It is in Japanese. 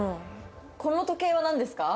この時計はなんですか？